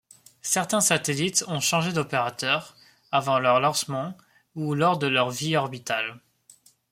Certains satellites ont changé d'opérateur, avant leur lancement, ou lors de leur vie orbitale.